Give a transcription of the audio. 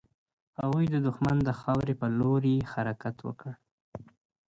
هغوی د دښمن د خاورې پر لور يې حرکت وکړ.